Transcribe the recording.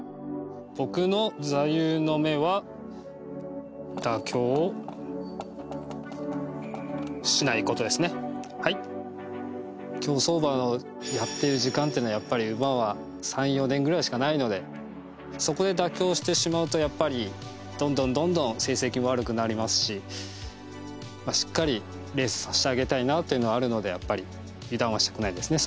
僕の座右の銘は競走馬をやってる時間っていうのはやっぱり馬は３４年ぐらいしかないのでそこで妥協してしまうとやっぱりどんどんどんどん成績も悪くなりますしなというのはあるのでやっぱり油断はしたくないですね